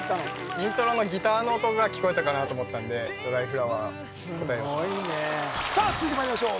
イントロのギターの音が聞こえたかなと思ったんで「ドライフラワー」答えましたさあ続いてまいりましょう